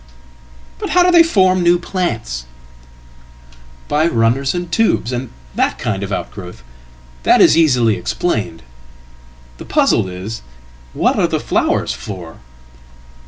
""But how do they form new plants?""By runners and tubers, and that kind of outgrowth. That is easilyexplained. The puzzle is, what are the flowers for?"